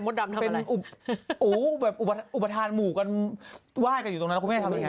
ถ้าเกิดเขาเป็นอู๋อุปฐานหมู่กันวาดกันอยู่ตรงนั้นคุณแม่ทำยังไง